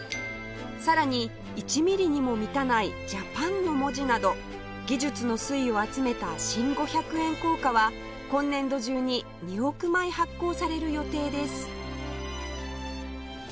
さらに１ミリにも満たない ＪＡＰＡＮ の文字など技術の粋を集めた新５００円硬貨は今年度中に２億枚発行される予定です